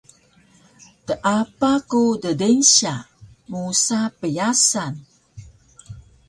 teapa ku ddeynsya musa pyasan